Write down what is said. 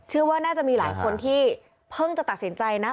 ว่าน่าจะมีหลายคนที่เพิ่งจะตัดสินใจนะ